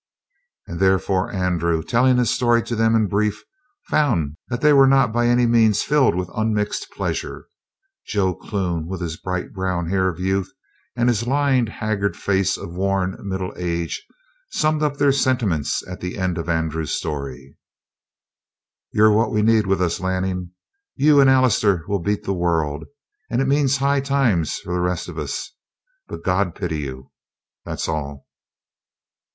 And therefore Andrew, telling his story to them in brief, found that they were not by any means filled with unmixed pleasure. Joe Clune, with his bright brown hair of youth and his lined, haggard face of worn middle age, summed up their sentiments at the end of Andrew's story: "You're what we need with us, Lanning. You and Allister will beat the world, and it means high times for the rest of us, but God pity you that's all!"